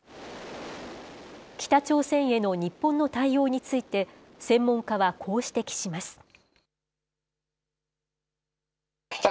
北朝鮮への日本の対応について、専門家はこう指摘します。